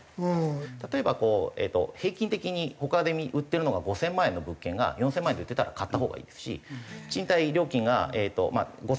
例えばこう平均的に他で売ってるのが５０００万円の物件が４０００万円で売ってたら買ったほうがいいですし賃貸料金が５０００万円の家がですね